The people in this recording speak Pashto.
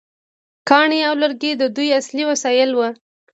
کاڼي او لرګي د دوی اصلي وسایل وو.